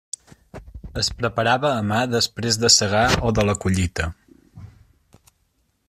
Es preparava a mà després de segar o de la collita.